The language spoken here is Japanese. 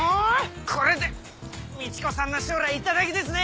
これでみち子さんの将来いただきですね。